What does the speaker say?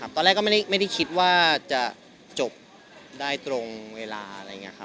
ตอนแรกก็ไม่ได้คิดว่าจะจบได้ตรงเวลา